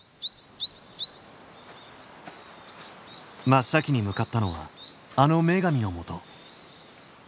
真っ先に向かったのはあの女神のもと。